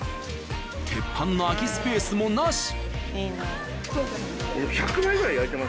鉄板の空きスペースもなし。